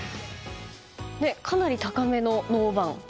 かなり高めのノーバウンド。